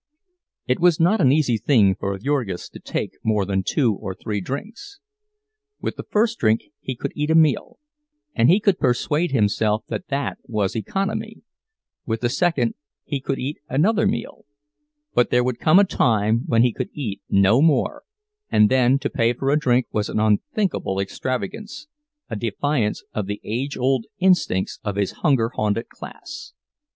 It was not an easy thing for Jurgis to take more than two or three drinks. With the first drink he could eat a meal, and he could persuade himself that that was economy; with the second he could eat another meal—but there would come a time when he could eat no more, and then to pay for a drink was an unthinkable extravagance, a defiance of the age long instincts of his hunger haunted class.